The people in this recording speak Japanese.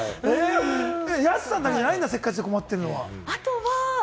安さんだけじゃないんだ、困ってるのは。